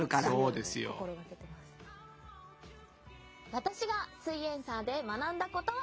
私が「すイエんサー」で学んだことは！